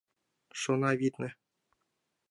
Шона, витне.